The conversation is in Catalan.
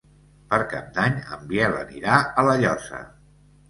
Per Cap d'Any en Biel anirà a La Llosa.